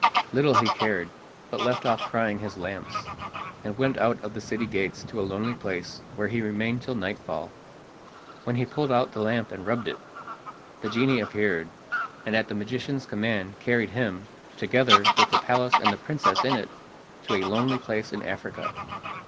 Little he cared, but left off crying his lamps, and went out of the city gates to a lonely place, where he remained till nightfall, when he pulled out the lamp and rubbed it. The genie appeared, and at the magician's command carried him, together with the palace and the princess in it, to a lonely place in Africa.